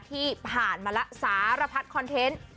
ที่ผ่านมาละสารพัดคอนเทนต์